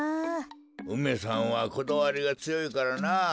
梅さんはこだわりがつよいからなあ。